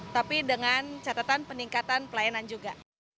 tapi dengan catatan peningkatan pelayanan juga